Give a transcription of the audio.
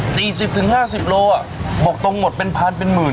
สิบถึงห้าสิบโลอ่ะบอกตรงหมดเป็นพันเป็นหมื่น